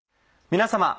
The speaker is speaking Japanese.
皆様。